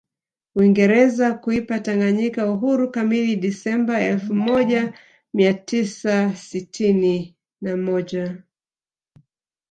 Uingereza kuipa Tanganyika uhuru kamili Disemba elfu moja Mia tisa sitini na moja